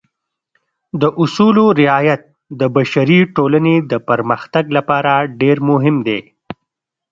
د اصولو رعایت د بشري ټولنې د پرمختګ لپاره ډېر مهم دی.